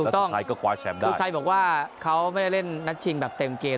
ถูกต้องแล้วสุดท้ายก็กว้าแชมป์ได้สุดท้ายบอกว่าเขาไม่ได้เล่นนักชิงแบบเต็มเกม